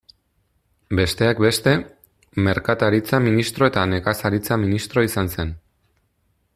Besteak beste, Merkataritza ministro eta Nekazaritza ministro izan zen.